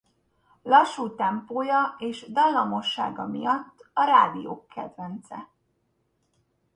Lassú tempója és dallamossága miatt a rádiók kedvence.